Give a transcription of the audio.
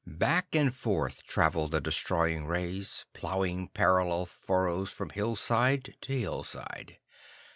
Back and forth traveled the destroying rays, ploughing parallel furrows from hillside to hillside.